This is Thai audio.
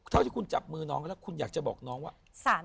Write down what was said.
เท่าที่คุณจับมือน้องก็แล้วคุณอยากจะบอกน้องว่า